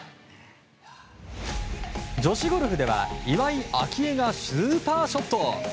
女子ゴルフでは岩井明愛がスーパーショット。